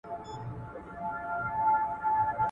موږ د سياست په اړه نوې طرحې لرو.